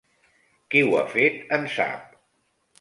Qui ho ha fet en sap.